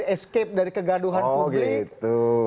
escape dari kegaduhan publik